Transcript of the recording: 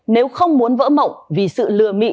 nếu không muốn vỡ mộng vì sự lừa mị